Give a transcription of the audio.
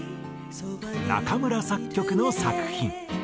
中村作曲の作品。